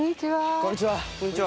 こんにちは。